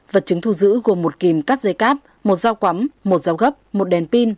vật chứng thu giữ gồm một kìm cắt dây cáp một dao quắm một dao gấp một đèn pin